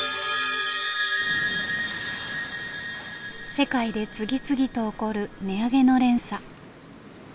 世界で次々と起こる値上げの連鎖。